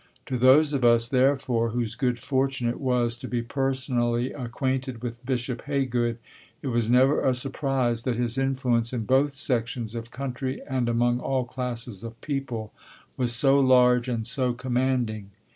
To those of us, therefore, whose good fortune it was to be personally acquainted with Bishop Haygood, it was never a surprise that his influence in both sections of country and among all classes of people was so large and so commanding.